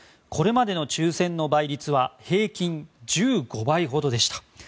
これまでの抽選の倍率は平均１５倍ほどでした。